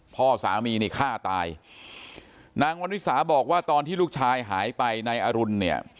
พ่อสามีนี่ฆ่าตายนางวันวิสาบอกว่าตอนที่ลูกชายหายไปนายอรุณเนี่ย